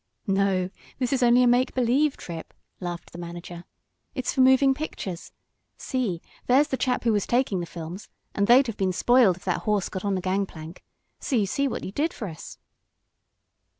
"No, this is only a make believe trip," laughed the manager. "It's for moving pictures. See, there's the chap who was taking the films, and they'd been spoiled if that horse got on the gang plank. So you see what you did for us."